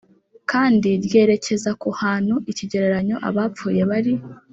kandi ryerekeza ku hantu ikigereranyo abapfuye bari